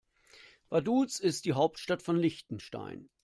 Vaduz ist die Hauptstadt von Liechtenstein.